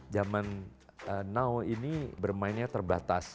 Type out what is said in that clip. zaman now ini bermainnya terbatas